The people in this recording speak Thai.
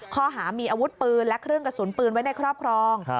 ข้อหามีอาวุธปืนและเครื่องกระสุนปืนไว้ในครอบครอง